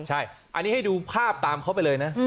ใช่อันนี้ให้ดูภาพตามเขาไปเลยนะ